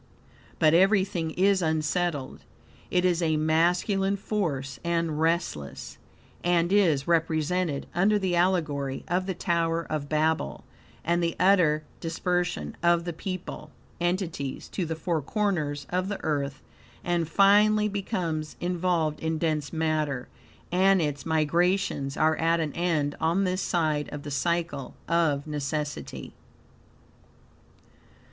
But everything is unsettled. It is a masculine force, and restless, and is represented under the allegory of the "Tower of Babel" and the utter dispersion of the people (entities) to the four corners of the Earth, and finally becomes involved in dense matter, and its migrations are at an end on this side of the Cycle of Necessity.